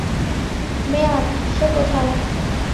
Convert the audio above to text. মেয়ার, সে কোথায়?